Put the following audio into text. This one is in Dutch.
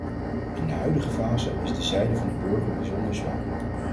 In de huidige fase is de zijde van de burgers bijzonder zwak.